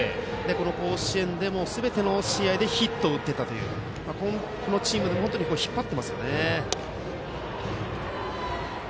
この甲子園でもすべての試合でヒットを打っていたということでこのチームを引っ張っていますね。